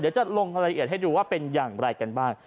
จะลงรายละเอียดให้ดูว่าเป็นอย่างไรกันบ้าง